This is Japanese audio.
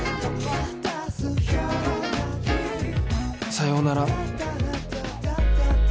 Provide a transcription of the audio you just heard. さようなら